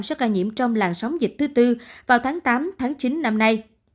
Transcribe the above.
số ca nhiễm trong làn sóng dịch thứ bốn vào tháng tám chín năm nay